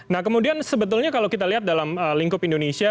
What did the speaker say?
nah kemudian sebetulnya kalau kita lihat dalam lingkup indonesia